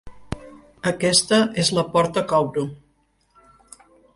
Aquesta és la porta que obro.